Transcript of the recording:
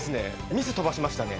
ミス飛ばしましたね？